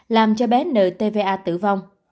làm cho bé nợ tva tử vong